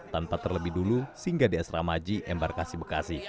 tanpa terlebih dulu sehingga di esra maji embarkasi bekasi